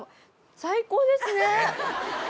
最高ですね！